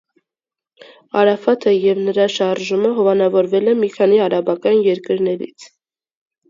Արաֆաթը և նրա շարժումը հովանավորվել է մի քանի արաբական երկրներից։